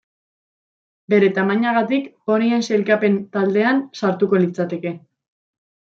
Bere tamainagatik ponien sailkapen taldean sartuko litzateke.